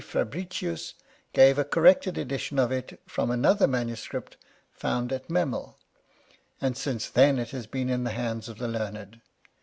Fabricius gave a corrected edition of it from another MS. found at Memel, and, since then, it has been in the hands of the learned.